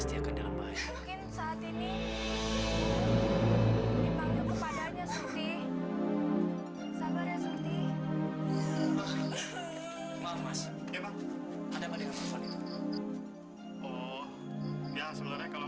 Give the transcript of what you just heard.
sekarang kita berlutut saja